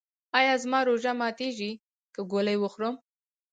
ایا زما روژه ماتیږي که ګولۍ وخورم؟